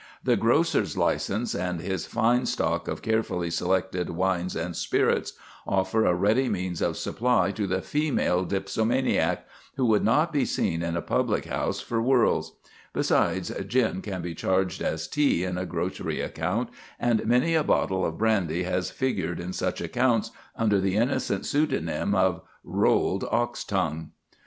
The grocer's license and his fine stock of carefully selected wines and spirits offer a ready means of supply to the female dipsomaniac, who would not be seen in a public house for worlds; besides, gin can be charged as tea in a grocery account, and many a bottle of brandy has figured in such accounts under the innocent pseudonym of "rolled ox tongue."